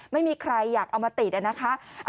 ไม่มีใครอยากเอามาติดนะคะ